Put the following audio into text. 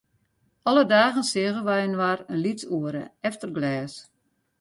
Alle dagen seagen wy inoar in lyts oere, efter glês.